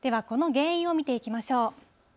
この原因を見ていきましょう。